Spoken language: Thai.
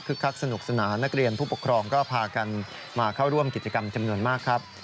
คักสนุกสนานนักเรียนผู้ปกครองก็พากันมาเข้าร่วมกิจกรรมจำนวนมากครับ